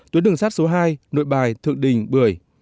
tuyến đường sắt số hai nội bài thượng đình bưởi